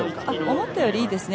思ったよりいいですね。